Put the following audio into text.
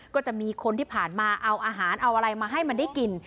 ก็จะมีคนที่ผ่านมาเอาอาหารเอาอะไรมาให้มันได้กิน